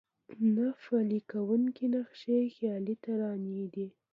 نه پلي کېدونکي نقشې خيالي ترانې دي.